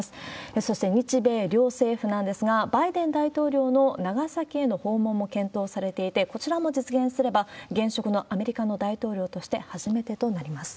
そして日米両政府なんですが、バイデン大統領の長崎への訪問も検討されていて、こちらも実現すれば、現職のアメリカの大統領として初めてとなります。